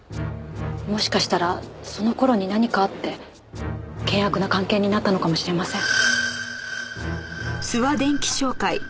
もしかしたらその頃に何かあって険悪な関係になったのかもしれません。